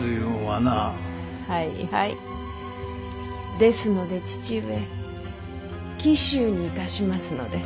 ですので父上紀州にいたしますので。